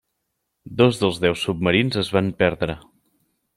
Dos dels deu submarins es van perdre.